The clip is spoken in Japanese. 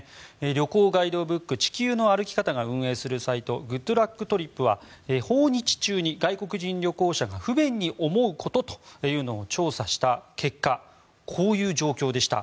旅行ガイドブック「地球の歩き方」が運営するＧＯＯＤＬＵＣＫＴＲＩＰは訪日中に外国人旅行者が不便に思うことというのを調査した結果こういう状況でした。